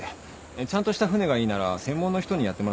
ちゃんとした船がいいなら専門の人にやってもらった方が。